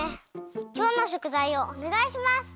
きょうのしょくざいをおねがいします！